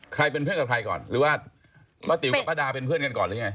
ใครเป็นเพื่อนกับใครก่อนหรือว่าป้าติ๋วกับป้าดาเป็นเพื่อนกันก่อนหรือยังไง